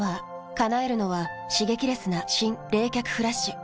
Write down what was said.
叶えるのは刺激レスな新・冷却フラッシュ。